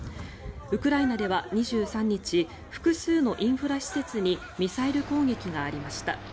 ウクライナでは２３日複数のインフラ施設にミサイル攻撃がありました。